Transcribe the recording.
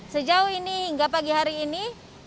sejauh ini hingga pagi hari ini